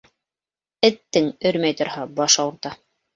Эттең, өрмәй торһа, башы ауырта.